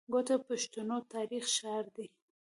کوټه د پښتنو تاريخي ښار دی.